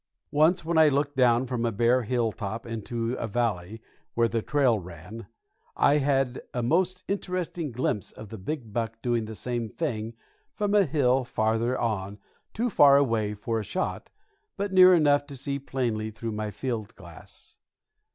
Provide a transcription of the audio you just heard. Once, when I looked down from a bare hilltop into a valley where the trail ran, I had a most interesting glimpse of the big buck doing the same thing from a hill farther on too far away for a shot, but near enough to see plainly through my field glass.